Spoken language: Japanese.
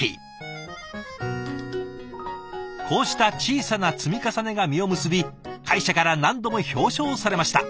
こうした小さな積み重ねが実を結び会社から何度も表彰されました。